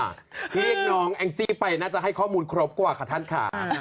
เรียกน้องแองจี้ไปน่าจะให้ข้อมูลครบกว่าค่ะท่านค่ะ